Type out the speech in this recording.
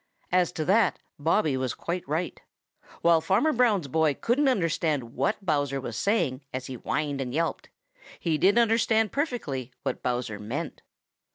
As to that Bobby was quite right. While Farmer Brown's boy couldn't understand what Bowser was saying as he whined and yelped, he did understand perfectly what Bowser meant.